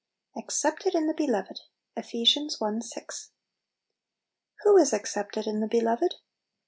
"Accepted in the Beloved."— Era. i. 6. WHO is "accepted in the Beloved